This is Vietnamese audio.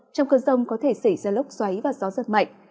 trong cơn rông có thể xảy ra lốc xoáy và gió giật mạnh